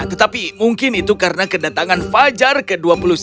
tetapi mungkin itu karena kedatangan fajar ke dua puluh satu